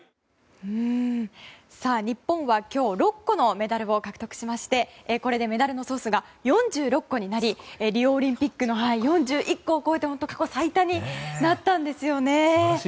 日本は今日６個のメダルを獲得しましてこれでメダルの総数が４６個になりリオオリンピックの４１個を超えて過去最多になったんですよね。